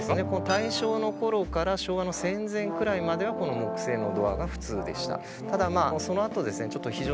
大正の頃から昭和の戦前くらいまではこの木製のドアが普通でした。